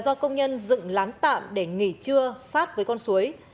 do công nhân dựng lán tạm để nghỉ trưa sát với con suối